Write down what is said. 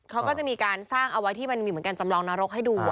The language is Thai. เขาก็จะมีการสร้างเอาไว้ที่มันมีเหมือนกันจำลองนรกให้ดู